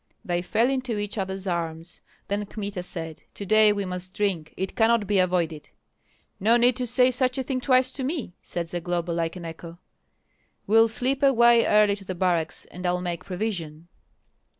They fell into each other's arms. Then Kmita said, "To day we must drink, it cannot be avoided!" "No need to say such a thing twice to me!" said Zagloba, like an echo. "We'll slip away early to the barracks, and I'll make provision."